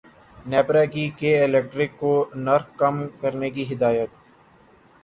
نیپرا کی کے الیکٹرک کو نرخ کم کرنے کی ہدایت